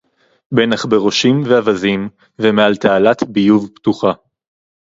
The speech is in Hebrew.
בין עכברושים ואווזים ומעל תעלת ביוב פתוחה